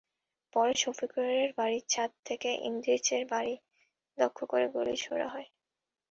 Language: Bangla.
পরে শফিকুরের বাড়ির ছাদ থেকে ইদ্রিচের বাড়ি লক্ষ্য করে গুলি ছোড়া হয়।